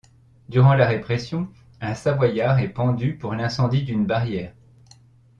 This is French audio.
Durant la répression, un Savoyard est pendu pour l'incendie d'une barrière.